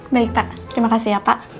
baik pak terima kasih ya pak